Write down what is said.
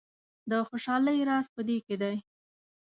د خوشحالۍ راز په دې کې دی.